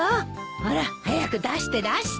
ほら早く出して出して。